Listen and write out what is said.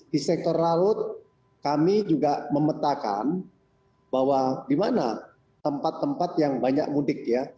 di sektor raut kami juga memetakan bahwa di mana tempat tempat yang banyak mudik ya